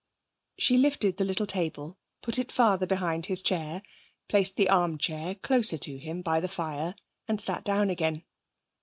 She lifted the little table, put it farther behind his chair, placed the arm chair closer to him by the fire, and sat down again.